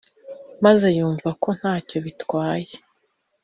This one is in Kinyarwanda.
maze yumva ko nta cyo bitwaye,